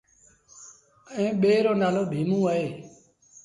ائيٚݩ ٻي رو نآلو ڀيٚموݩ اهي۔